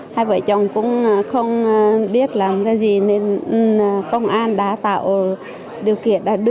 hai vợ chồng cũng không biết làm cái gì nên công an đã tạo điều kiện